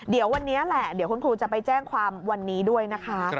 เดี๋ยววันนี้แหละเดี๋ยวคุณครูจะไปแจ้งความวันนี้ด้วยนะคะ